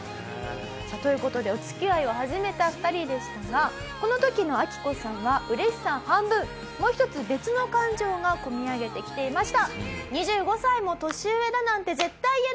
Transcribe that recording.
という事でお付き合いを始めた２人でしたがこの時のアキコさんは嬉しさ半分もう一つ別の感情が込み上げてきていました。